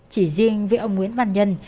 chỉ riêng với ông nguyễn văn nhân